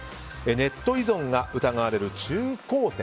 ネット依存が疑われる中高生。